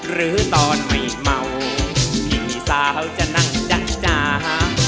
หรือตอนไม่เมาพี่สาวจะนั่งจ๊ะจ๋า